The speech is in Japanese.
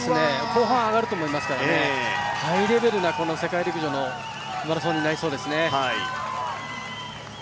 後半上がると思いますからハイレベルな世界陸上、マラソンになりそうです。